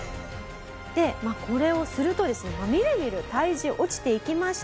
でこれをするとですねみるみる体重落ちていきまして。